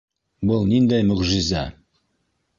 Был ниндәй мөғжизә!